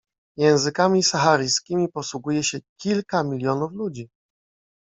Językami saharyjskimi posługuje się kilka milionów ludzi.